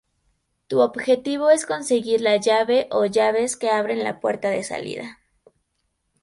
Tu objetivo es conseguir la llave o llaves que abren la puerta de salida.